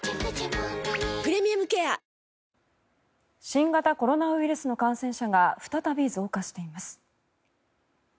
新型コロナウイルスの感染者が再び増加しています。